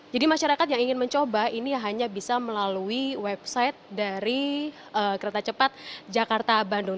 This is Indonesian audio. jadi masyarakat yang ingin mencoba ini hanya bisa melalui website dari kereta cepat jakarta bandung